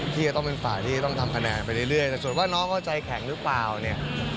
ที่จะต้องเป็นฝ่ายที่ต้องทำคะแนนไปเรื่อยแต่ส่วนว่าน้องเขาใจแข็งหรือเปล่าเนี่ย